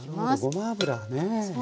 ごま油ね。